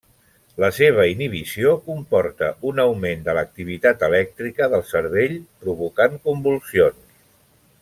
La seva inhibició comporta un augment de l'activitat elèctrica del cervell provocant convulsions.